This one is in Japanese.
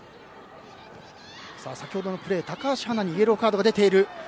先ほどのプレー、高橋はなにイエローカードが出ています。